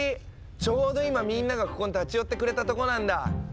ちょうど今みんながここに立ち寄ってくれたとこなんだ。